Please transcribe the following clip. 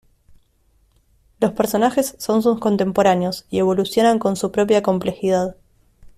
Los personajes son sus contemporáneos, y evolucionan con su propia complejidad.